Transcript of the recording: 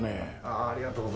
ありがとうございます。